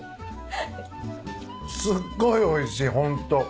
すっごいおいしいホント。